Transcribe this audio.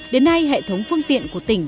đến nay hệ thống phương tiện của tỉnh